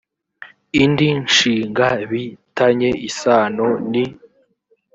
indi nshinga bi tanye isano ni